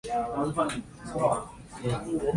从仁川国际机场起飞。